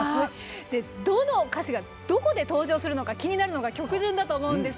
どの歌手がどこで登場するのか気になるのが曲順だと思うんです。